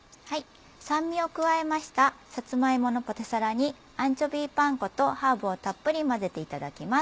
酸味を加えましたさつま芋のポテサラにアンチョビーパン粉とハーブをたっぷり混ぜていただきます。